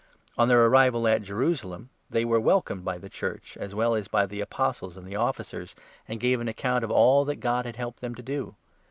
On their arrival at Jerusalem, they were 4 welcomed by the Church, as well as by the Apostles and the Officers, and gave an account of all that God had helped them to do.